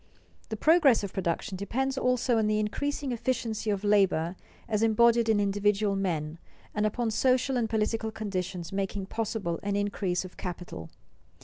The progress of production depends also on an increasing efficiency of labor as embodied in individual men, and upon social and political conditions making possible an increase of capital.